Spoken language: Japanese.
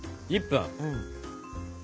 １分。